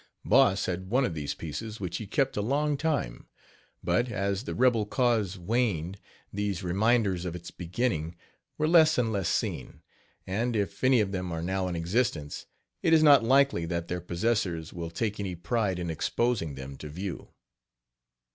Boss had one of these pieces which he kept a long time; but, as the rebel cause waned these reminders of its beginning were less and less seen, and if any of them are now in existence, it is not likely that their possessors will take any pride in exposing them to view.